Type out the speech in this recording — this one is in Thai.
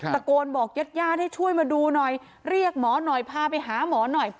ตะโกนบอกญาติญาติให้ช่วยมาดูหน่อยเรียกหมอหน่อยพาไปหาหมอหน่อย